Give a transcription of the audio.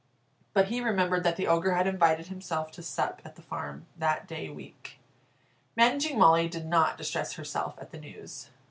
But he remembered that the Ogre had invited himself to sup at the farm that day week. Managing Molly did not distress herself at the news.